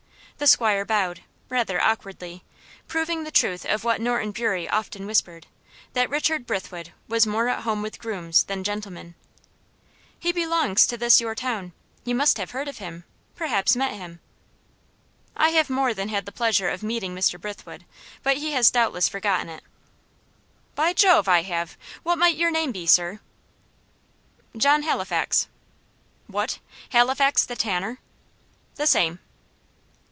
The 'squire bowed, rather awkwardly; proving the truth of what Norton Bury often whispered, that Richard Brithwood was more at home with grooms than gentlemen. "He belongs to this your town you must have heard of him, perhaps met him." "I have more than had the pleasure of meeting Mr. Brithwood, but he has doubtless forgotten it." "By Jove! I have. What might your name be, sir?" "John Halifax." "What, Halifax the tanner?" "The same."